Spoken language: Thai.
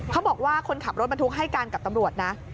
เขาบอกว่าคนขับรถบรรทุกให้การกับตำรวจนะ